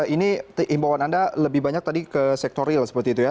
ini imbauan anda lebih banyak tadi ke sektor real seperti itu ya